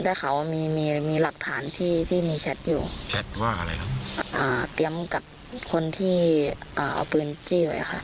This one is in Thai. เดี๋ยวกับคนที่เอาปืนจี้ไว้ค่ะ